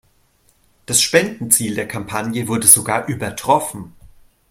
Das Spendenziel der Kampagne wurde sogar übertroffen.